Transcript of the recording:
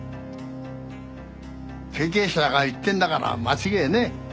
経験者が言ってるんだから間違えねえ。